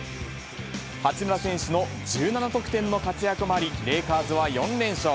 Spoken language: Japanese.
八村選手の１７得点の活躍もあり、レイカーズは４連勝。